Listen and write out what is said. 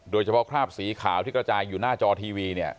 คราบสีขาวที่กระจายอยู่หน้าจอทีวีเนี่ย